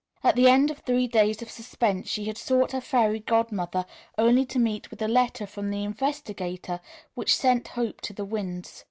At the end of three days of suspense she had sought her Fairy Godmother only to meet with a letter from the investigator which sent hope to the winds.